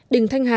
đình thanh hà